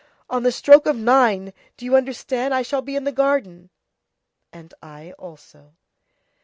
On the stroke of nine, do you understand, I shall be in the garden." "And I also."